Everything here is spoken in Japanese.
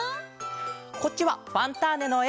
こっちは「ファンターネ！」のえ。